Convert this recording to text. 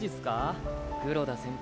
黒田先輩